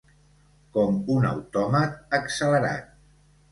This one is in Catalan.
Com un autòmat accelerat.